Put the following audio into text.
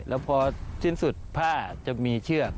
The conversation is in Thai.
แล้วพอสิ้นสุดผ้าจะมีเชือก